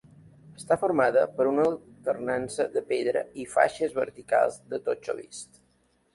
Està formada per una alternança de pedra i faixes verticals de totxo vist.